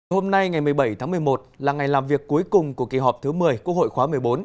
hôm nay ngày một mươi bảy tháng một mươi một là ngày làm việc cuối cùng của kỳ họp thứ một mươi quốc hội khóa một mươi bốn